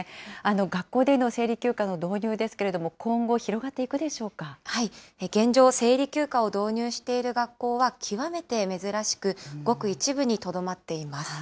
学校での生理休暇の導入ですけれども、今後、広がっていくでしょ現状、生理休暇を導入している学校は極めて珍しく、ごく一部にとどまっています。